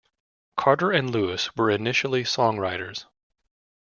Carter and Lewis were initially songwriters.